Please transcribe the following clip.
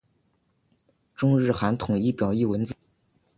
中日韩统一表意文字。